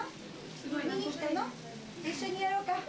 見に来たの？一緒にやろうか？